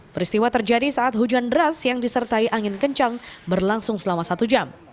peristiwa terjadi saat hujan deras yang disertai angin kencang berlangsung selama satu jam